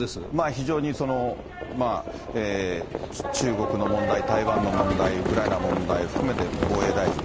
非常に中国の問題、台湾の問題、ウクライナの問題含めて防衛大臣。